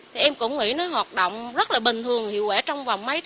thì em cũng nghĩ nó hoạt động rất là bình thường hiệu quả trong vòng mấy